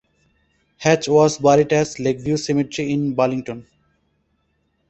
Hatch was buried at Lakeview Cemetery in Burlington.